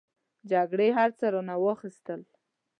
جګړې هر څه رانه واخستل.